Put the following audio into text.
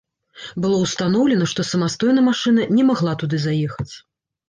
Было ўстаноўлена, што самастойна машына не магла туды заехаць.